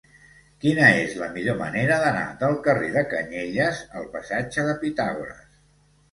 Quina és la millor manera d'anar del carrer de Canyelles al passatge de Pitàgores?